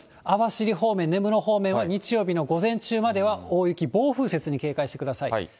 網走方面、根室方面は日曜日の午前中までは大雪、暴風雪に警戒してください。